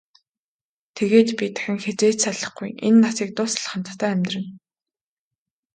Тэгээд бид дахин хэзээ ч салахгүй, энэ насыг дуустал хамтдаа амьдарна.